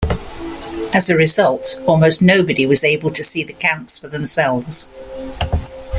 As a result, almost nobody was able to see the counts for themselves.